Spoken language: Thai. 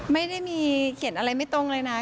ไม่ได้มีเขียนอะไรไม่ตรงเลยนะ